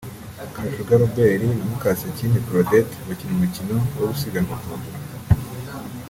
Kajuga Robert na Mukasakindi Claudette bakina umukino wo gusiganwa ku maguru